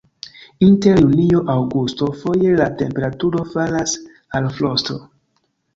Inter junio-aŭgusto foje la temperaturo falas al frosto.